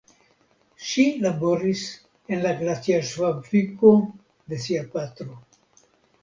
Ŝi laboris en la glaciaĵfabriko de sia patro.